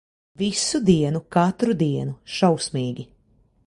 Visu dienu, katru dienu. Šausmīgi.